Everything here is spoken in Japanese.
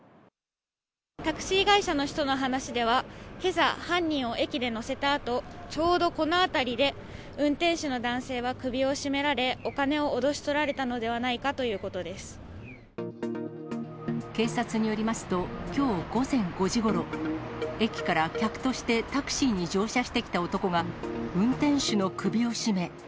タクシー会社の人の話では、けさ、犯人を駅で乗せたあと、ちょうどこの辺りで運転手の男性は首を絞められ、お金を脅し取ら警察によりますと、きょう午前５時ごろ、駅から客としてタクシーに乗車してきた男が、運転手の首を絞め。